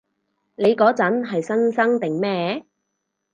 你嗰陣係新生定咩？